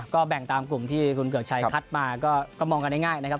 ก็แบ่งตามกลุ่มที่คุณเกือกชัยคัดมาก็มองกันง่ายนะครับ